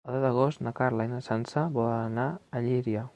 El deu d'agost na Carla i na Sança volen anar a Llíria.